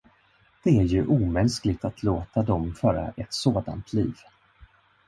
Det är ju omänskligt att låta dem föra ett sådant liv!